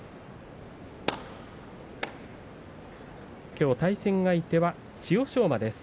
きょう対戦相手は千代翔馬です。